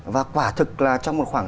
và quả thực là trong một khoảng